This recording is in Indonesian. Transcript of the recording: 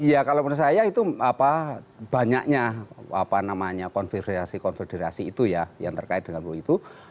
iya kalau menurut saya itu banyaknya konfederasi konfederasi itu ya yang terkait dengan itu